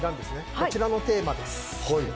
こちらのテーマです。